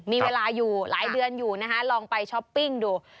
มีเวลาอยู่หลายเดือนอยู่นะคะลองไปช้อปปิ้งดู